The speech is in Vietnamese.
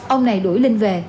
ông này đuổi linh về